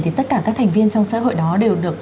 thì tất cả các thành viên trong xã hội đó đều được